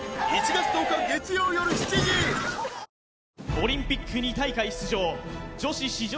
オリンピック２大会出場女子史上